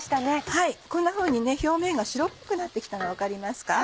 はいこんなふうに表面が白っぽくなって来たの分かりますか？